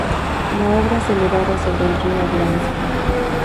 La obra se elevaba sobre el río Arlanza.